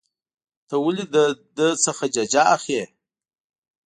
ته ولې له ده څخه ججه اخلې.